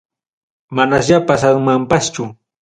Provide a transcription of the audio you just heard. Manasya pasaymanpaschu.